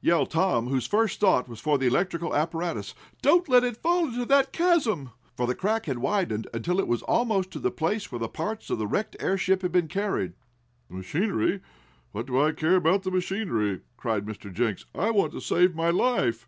yelled Tom, whose first thought was for the electrical apparatus. "Don't let it fall into that chasm!" For the crack had widened, until it was almost to the place where the parts of the wrecked airship had been carried. "The machinery? What do I care about the machinery?" cried Mr. Jenks. "I want to save my life!"